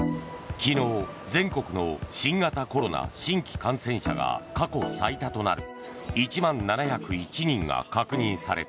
昨日全国の新型コロナ新規感染者が過去最多となる１万７０１人が確認された。